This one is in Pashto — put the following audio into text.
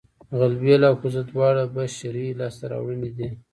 غلبېل او کوزه دواړه بشري لاسته راوړنې دي